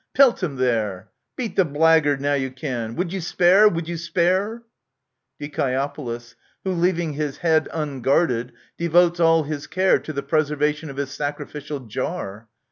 Pelt him there ! Beat the blackguard now you can ! Would you spare ? Would you spare ? Die. (who, leaving his head unguarded, devotes all his care . to the preservation of his sacrificial jar).